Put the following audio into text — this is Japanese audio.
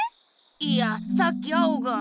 いやさっきアオが。